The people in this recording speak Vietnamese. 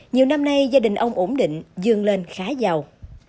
nhiều năm nay gia đình ông ổn định dường lên khá giàu